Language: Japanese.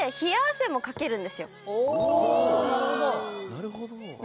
なるほど。